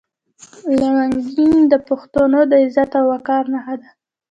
لونګۍ د پښتنو د عزت او وقار نښه ده.